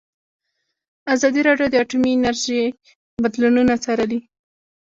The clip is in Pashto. ازادي راډیو د اټومي انرژي بدلونونه څارلي.